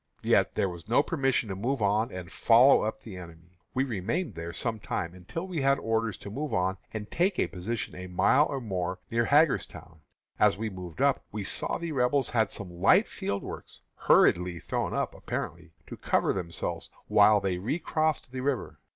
"Yet there was no permission to move on and follow up the enemy. We remained there some time, until we had orders to move on and take a position a mile or more nearer Hagerstown. As we moved up we saw that the Rebels had some light field works hurriedly thrown up, apparently to cover themselves while they recrossed the river.